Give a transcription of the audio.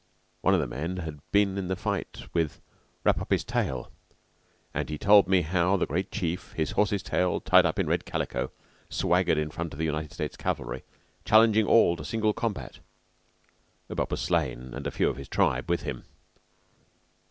One of the men had been in the fight with "Wrap up his Tail," and he told me how that great chief, his horse's tail tied up in red calico, swaggered in front of the United States cavalry, challenging all to single combat. But he was slain, and a few of his tribe with him.